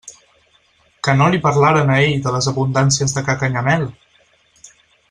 Que no li parlaren a ell de les abundàncies de ca Canyamel!